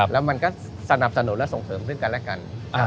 แล้วมันก็สนับสนุนและส่งเสริมซึ่งกันและกัน